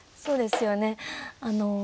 そうですよね。